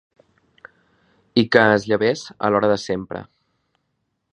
I que es llevés a l'hora de sempre